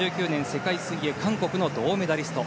世界水泳、韓国の銅メダリスト。